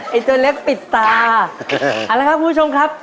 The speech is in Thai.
ไอ้ตัวเล็กปิดตา